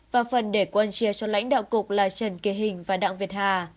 và phần để quân chia cho lãnh đạo cục là trần kỳ hình và đặng việt hà